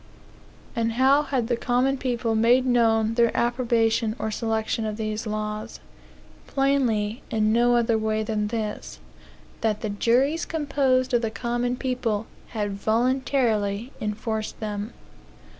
And how had the common people made known their approbation or selection of these laws? Plainly, in no other way than this that the juries composed of the common people had voluntarily enforced them.